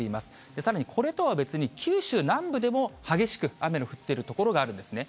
さらに、これとは別に、九州南部でも激しく雨の降っている所があるんですね。